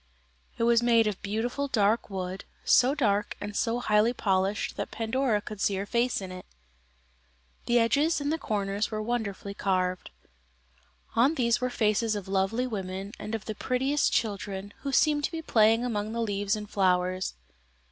It was made of beautiful dark wood, so dark and so highly polished that Pandora could see her face in it. The edges and the corners were wonderfully carved. On these were faces of lovely women, and of the prettiest children, who seemed to be playing among the leaves and flowers.